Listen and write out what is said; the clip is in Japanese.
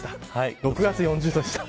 ６月、４０度でした。